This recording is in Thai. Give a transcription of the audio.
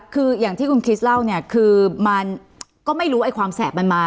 คืออย่างที่คุณคริสเล่าเนี่ยคือมันก็ไม่รู้ไอ้ความแสบมันมา